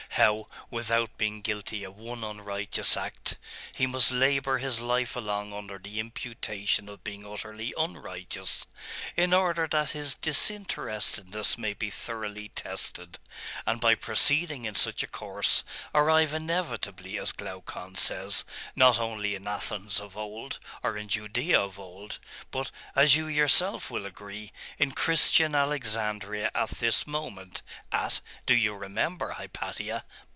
How, without being guilty of one unrighteous act, he must labour his life long under the imputation of being utterly unrighteous, in order that his disinterestedness may be thoroughly tested, and by proceeding in such a course, arrive inevitably, as Glaucon says, not only in Athens of old, or in Judaea of old, but, as you yourself will agree, in Christian Alexandria at this moment, at do you remember, Hypatia?